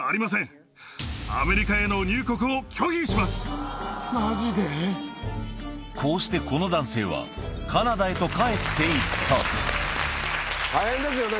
果たしてこうしてこの男性はカナダへと帰っていった大変ですよね